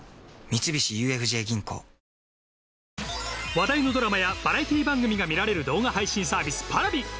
話題のドラマやバラエティ番組が見られる動画配信サービスＰａｒａｖｉ。